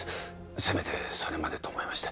せめてそれまでと思いまして